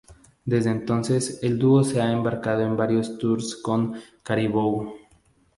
Desde entonces el dúo se ha embarcado en varios tours con Caribou.